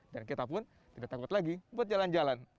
dan kita pun tidak takut lagi buat jalan jalan